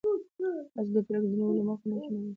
تاسو د پرېکړو د نیولو مخه نشئ نیولی.